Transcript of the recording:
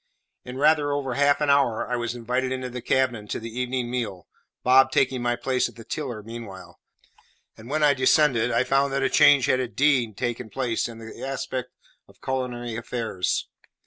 In rather over half an hour I was invited into the cabin to the evening meal, Bob taking my place at the tiller meanwhile; and when I descended I found that a change had indeed taken place in the aspect of culinary affairs.